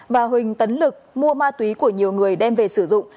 và huỳnh tấn lực mua ma túy của nhiều người đem về sử dụng